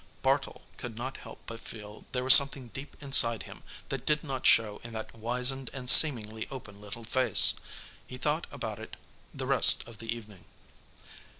Bartle could not help but feel there was something deep inside him that did not show in that wizened and seemingly open little face. He thought about it the rest of the evening.